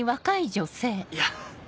いや。